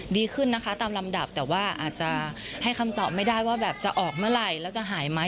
ดีขึ้นนะคะตามลำดับแต่ว่าอาจจะให้คำตอบไม่ได้ว่าแบบจะออกเมื่อไหร่แล้วจะหายไหม